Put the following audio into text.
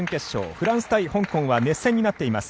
フランス対香港は熱戦になっています。